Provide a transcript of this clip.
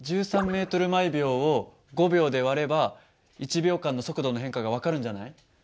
１３ｍ／ｓを５秒で割れば１秒間の速度の変化が分かるんじゃない？